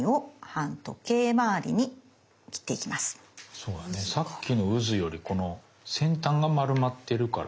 そうだねさっきのうずよりこの先端が丸まってるから。